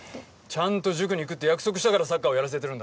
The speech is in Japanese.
ちゃんと塾に行くって約束したからサッカーをやらせてるんだ。